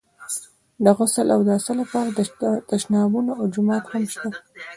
د غسل او اوداسه لپاره تشنابونه او جومات هم شته.